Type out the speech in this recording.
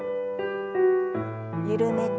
緩めて。